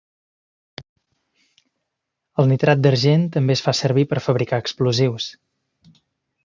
El nitrat d'argent també es fa servir per fabricar explosius.